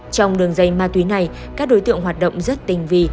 trong đường dây ma túy này các đối tượng hoạt động rất tinh vi